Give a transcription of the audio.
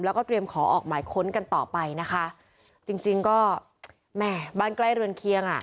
แล้วก็เตรียมขอออกหมายค้นกันต่อไปนะคะจริงจริงก็แม่บ้านใกล้เรือนเคียงอ่ะ